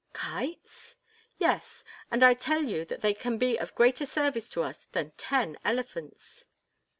"Kites?" "Yes, and I tell you that they can be of greater service to us than ten elephants."